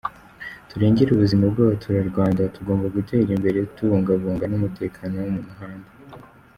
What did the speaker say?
Turengere ubuzima bw’abaturarwanda, tugomba gutera imbere tubungabunga n’umutekano wo mu muhanda”.